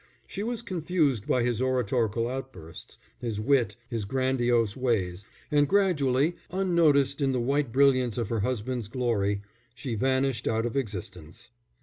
She was confused by his oratorical outbursts, his wit, his grandiose ways; and gradually, unnoticed in the white brilliance of her husband's glory, she vanished out of existence.